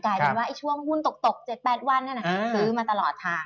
กลายเป็นว่าช่วงหุ้นตก๗๘วันนั้นซื้อมาตลอดทาง